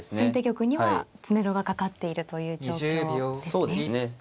先手玉には詰めろがかかっているという状況ですね。